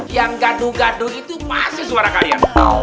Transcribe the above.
yang gaduh gaduh itu pasti suara kalian